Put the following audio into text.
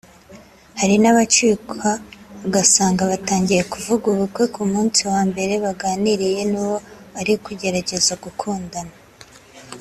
Hari n’abacikwa ugasanga batangiye kuvuga ubukwe ku munsi wa mbere baganiriye n’uwo ari kugerageza gukundana